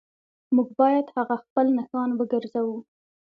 موږ باید هغه خپل نښان وګرځوو